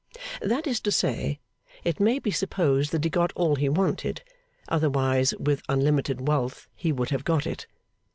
That is to say, it may be supposed that he got all he wanted, otherwise with unlimited wealth he would have got it.